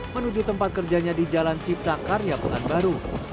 menuju tempat kerjanya di jalan cipta karya pekanbaru